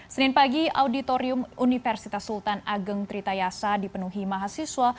senin pagi auditorium universitas sultan ageng tritayasa dipenuhi mahasiswa